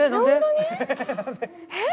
えっ！